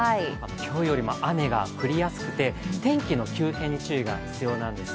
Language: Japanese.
今日よりも雨が降りやすくて天気の急変に注意が必要なんです。